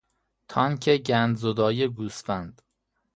تانک گندزدایی گوسفند